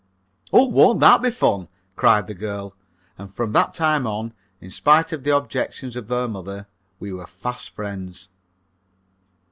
"Oh, won't that be fun!" cried the girl. And from that time on, in spite of the objections of her mother, we were fast friends.